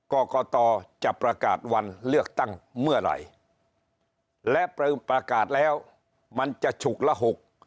กรกตจะประกาศวันเลือกตั้งเมื่อไหร่และประกาศแล้วมันจะฉุกละหก